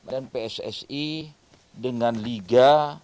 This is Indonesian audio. dan pssi dengan liga